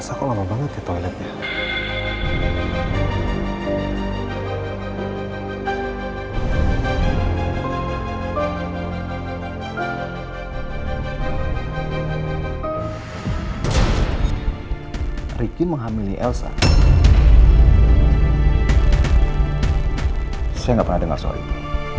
saya gak pernah denger soal itu